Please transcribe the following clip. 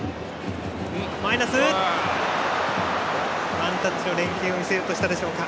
ワンタッチの連係を見せようとしたでしょうか。